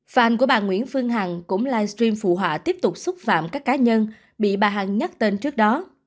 phan của bà nguyễn phương hằng cũng livestream phụ họa tiếp tục xúc phạm các cá nhân bị bà hằng nhắc tên trước đó